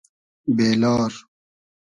بې لار